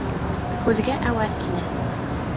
Һүҙгә әүәҫ ине.